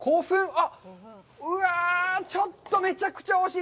あっ、うわ、ちょっとめちゃくちゃ惜しい。